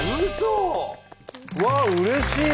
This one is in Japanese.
うわうれしい！